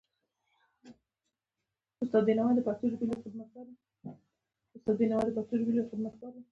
دا د رنګ له مخې پر یوه ټبر بندیز و.